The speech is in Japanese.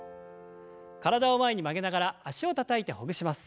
体を前に曲げながら脚をたたいてほぐします。